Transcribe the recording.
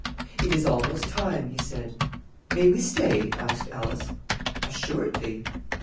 "It is almost time," he said. "May we stay?" asked Alice. "Assuredly."